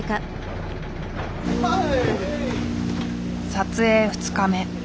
撮影２日目。